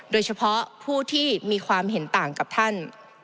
โดยเฉพาะผู้ที่มีความเห็นต่างกับท่าน